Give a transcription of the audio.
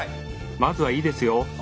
まずはいいですよ。